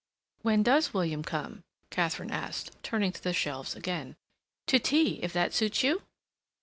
"When does William come?" Katharine asked, turning to the shelves again. "To tea, if that suits you?"